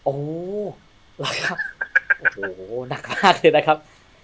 โอ้โหนักมากเลยนะครับ